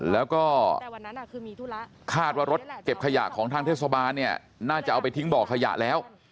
แล้วก็มีธุระคาดว่ารถเก็บขยะของทางเทศบาลเนี่ยน่าจะเอาไปทิ้งบ่อขยะแล้ว